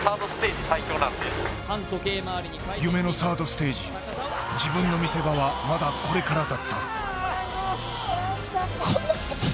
夢のサードステージ、自分の見せ場はまだこれからだった。